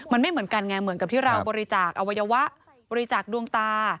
มันไม่เหมือนกันไงเหมือนกับที่เราบริจาคอวัยวะบริจาคดวงตา